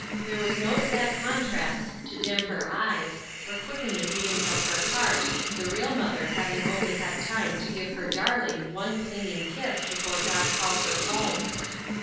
There were no sad contrasts to dim her eyes, or quicken the beatings of her heart, the real mother having only had time to give her darling one clinging kiss before God called her home.